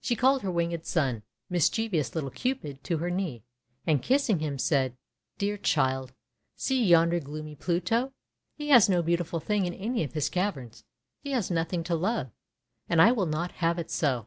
She called her winged son, mischievous little Cupid, to her knee, and, kissing him, said :— "Dear Child! See yonder gloomy Pluto! He has no beautiful thing in any of his caverns. He has nothing to love. I will not have it so.